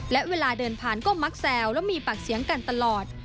และเวลาเดินผ่านก็มักแซวและมีปากเสียงกันตลอด